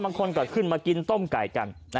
บางคนก็ขึ้นมากินต้มไก่กัน